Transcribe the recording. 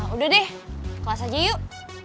udah deh kelas aja yuk